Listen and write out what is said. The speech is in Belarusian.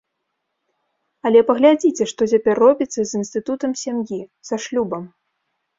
Але паглядзіце, што цяпер робіцца з інстытутам сям'і, са шлюбам.